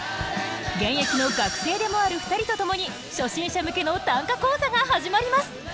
現役の学生でもある２人と共に初心者向けの短歌講座が始まります。